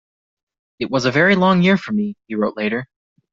"It was a very long year for me," he wrote later.